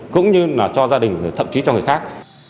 cũng như là cho gia đình thậm chí cho người khác